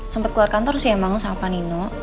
sempet keluar kantor si emang sama panino